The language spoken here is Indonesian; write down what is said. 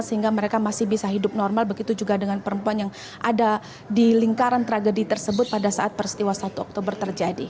sehingga mereka masih bisa hidup normal begitu juga dengan perempuan yang ada di lingkaran tragedi tersebut pada saat peristiwa satu oktober terjadi